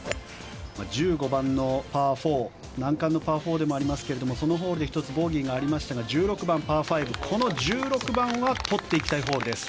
１５番のパー４難関のパー４でもありますがそこでも１つ、ボギーがありましたが１６番、パー５この１６番はとっていきたいホールです。